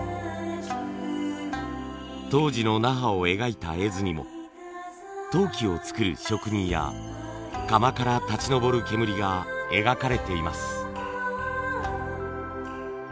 当時の那覇を描いた絵図にも陶器を作る職人や窯から立ち上る煙が描かれています。